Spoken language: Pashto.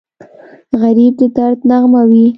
غریب د درد نغمه وي